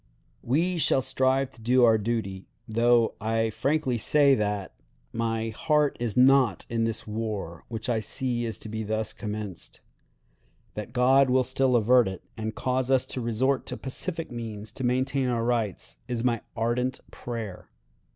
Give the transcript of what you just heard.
"We shall strive to do our duty, though I frankly say that my heart is not in this war, which I see is to be thus commenced. That God will still avert it, and cause us to resort to pacific means to maintain our rights, is my ardent prayer!